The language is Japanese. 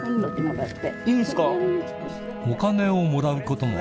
いいんすか？